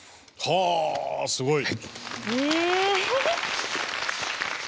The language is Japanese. はあすごい。